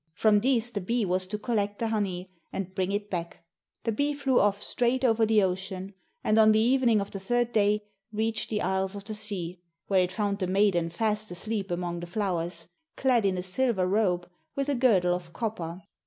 From these the bee was to collect the honey and bring it back. The bee flew off straight over the ocean, and on the evening of the third day reached the Isles of the Sea, where it found the maiden fast asleep amongst the flowers, clad in a silver robe, with a girdle of copper.